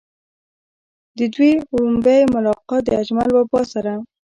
د دوي وړومبے ملاقات د اجمل بابا سره